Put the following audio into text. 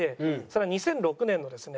それは２００６年のですね